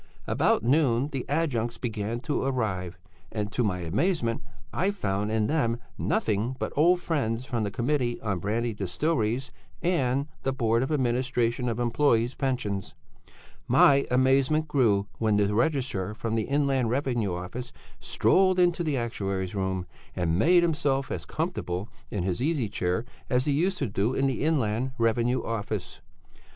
"About noon the adjuncts began to arrive, and to my amazement I found in them nothing but old friends from the Committee on Brandy Distilleries, and the Board of Administration of Employés' Pensions. My amazement grew when the registrar from the Inland Revenue Office strolled into the actuary's room, and made himself as comfortable in his easy chair as he used to do in the Inland Revenue Office.